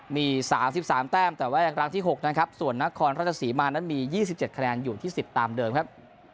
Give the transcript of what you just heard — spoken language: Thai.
มีสามสิบสามแต้มแต่ว่าอย่างล่างที่หกนะครับส่วนนครราชศรีมารนั้นมียี่สิบเจ็ดคะแนนอยู่ที่สิบตามเดิมครับ